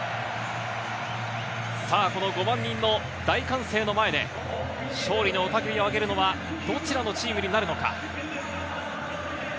この５万人の大歓声の前で、勝利の雄たけびをあげるのはどちらのチームになるのか？